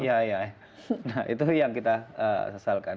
ya ya itu yang kita rasalkan